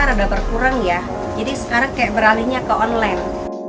rada berkurang ya jadi sekarang kayak beralihnya ke online